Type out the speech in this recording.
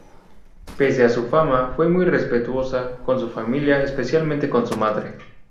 Pese a su fama, fue muy respetuosa con su familia, especialmente con su madre.